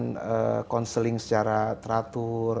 melakukan counseling secara teratur